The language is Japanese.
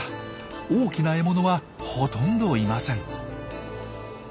大きな獲物はほとんどいません。